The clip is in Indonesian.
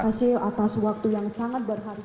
terima kasih atas waktu yang sangat berharga